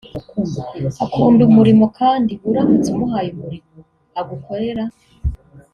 akunda umurimo kandi uramutse umuhaye umurimo agukorera